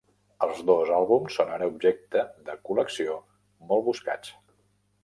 Els dos àlbums són ara objectes de col·lecció molt buscats.